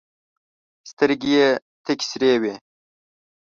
سترګي یې تکي سرې وې !